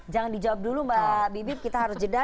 jangan dijawab dulu mbak bibip kita harus jeda